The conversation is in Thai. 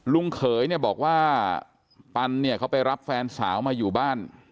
เขยเนี่ยบอกว่าปันเนี่ยเขาไปรับแฟนสาวมาอยู่บ้าน